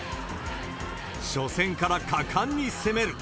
初戦から果敢に攻める。